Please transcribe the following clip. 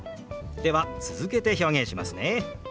では続けて表現しますね。